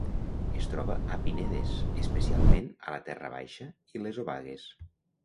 Es troba a pinedes, especialment a la terra baixa i les obagues.